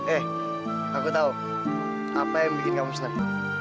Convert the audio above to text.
eh aku tahu apa yang bikin kamu senang